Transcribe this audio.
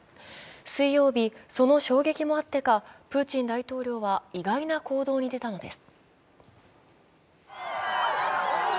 水曜日、その衝撃もあってかプーチン大統領は意外な行動に出たのです。